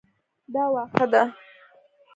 دا واښه ده